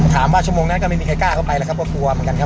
ชั่วโมงนั้นก็ไม่มีใครกล้าเข้าไปแล้วครับก็กลัวเหมือนกันครับ